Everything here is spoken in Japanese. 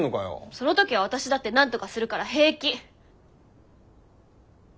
そのときは私だってなんとかするから平気！